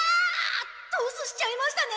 トスしちゃいましたね。